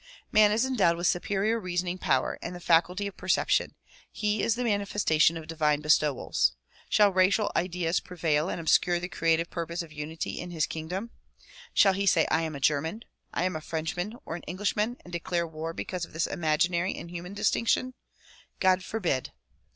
Man is endowed with superior reasoning power and the faculty of perception; he is the manifestation of divine bestowals. Shall racial ideas prevail and obscure the creative purpose of unity in his kingdom ? Shall he say " I am a German, "I am a Frenchman," or an "Englishman " and declare war because of this imaginary and human distinction? God forbid!